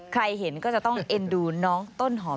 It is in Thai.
ใครเห็นก็จะต้องเอ็นดูน้องต้นหอม